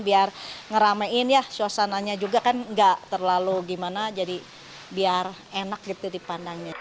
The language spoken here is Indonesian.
biar ngeramein ya suasananya juga kan gak terlalu gimana jadi biar enak gitu dipandangnya